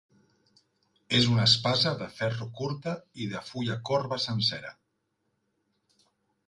És una espasa de ferro curta i de fulla corba sencera.